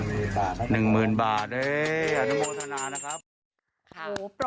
๑๐๐๐๐บาทอันโมทนานะครับ